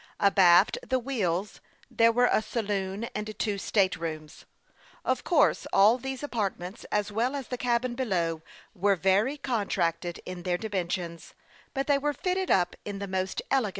Abaft the wheels there were a saloon and two state rooms. Of course all these apartments, as well as the cabin below, were very contracted in their di mensions ; but they were fitted up in the most ele gant style.